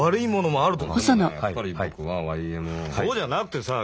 そうじゃなくてさあ